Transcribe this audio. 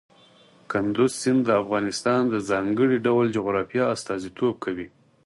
کندز سیند د افغانستان د ځانګړي ډول جغرافیه استازیتوب کوي.